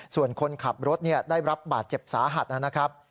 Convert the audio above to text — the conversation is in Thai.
ส่วนคนขับรถได้รับบาดเจ็บสาหัสนะครับ